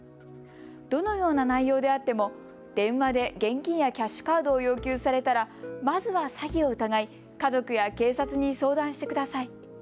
どのような内容であっても電話で現金やキャッシュカードを要求されたら、まずは詐欺を疑い家族や警察に相談してください。